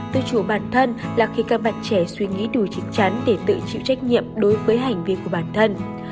tự chủ bản thân là khi các bạn trẻ suy nghĩ đủ chắc chắn để tự chịu trách nhiệm đối với hành vi của bản thân